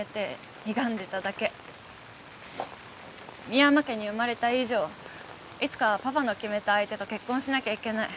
深山家に生まれた以上いつかはパパの決めた相手と結婚しなきゃいけない。